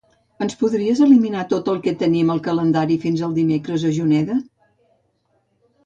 Ens podries eliminar tot el que tenim al calendari fins al dimecres a Juneda?